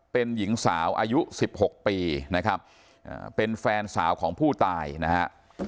เป็นหญิงสาวอายุ๑๖ปีนะครับเป็นแฟนสาวของผู้ตายนะฮะ